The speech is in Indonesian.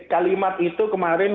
kalimat itu kemarin